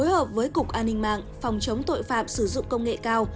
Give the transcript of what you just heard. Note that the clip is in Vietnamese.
cùng cục an ninh mạng phòng chống tội phạm sử dụng công nghệ cao